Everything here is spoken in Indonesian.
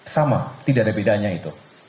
sama tidak ada bedanya itu